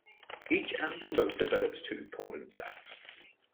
Each anther lobe develops two pollen sacs.